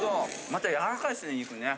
また柔らかいですね肉ね。